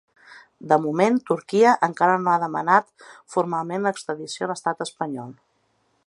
De moment, Turquia encara no ha demanat formalment l’extradició a l’estat espanyol.